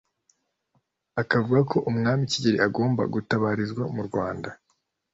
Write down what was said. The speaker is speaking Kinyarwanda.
akavuga ko umwami Kigeli agomba gutabarizwa mu Rwanda